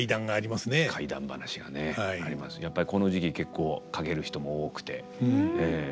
やっぱりこの時期結構かける人も多くてええ。